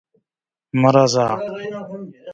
مه راځه!